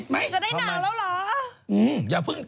จะได้หนาวเนี่ย